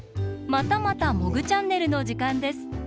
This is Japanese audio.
またまた「モグチャンネル」のじかんです。